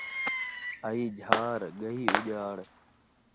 آئی جھار، ڳئی اُڄاڑ